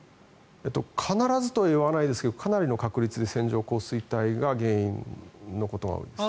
必ずとは言いませんがかなりの確率で線状降水帯が原因のことが多いです。